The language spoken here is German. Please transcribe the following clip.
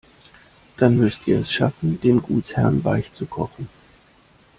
Dann müsst ihr es schaffen, den Gutsherren weichzukochen.